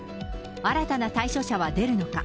新たな退所者は出るのか。